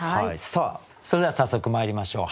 さあそれでは早速まいりましょう。